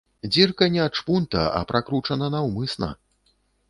Дзірка не ад шпунта, а пракручана наўмысна.